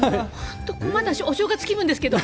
まだお正月気分ですけど。